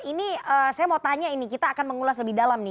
ini saya mau tanya ini kita akan mengulas lebih dalam nih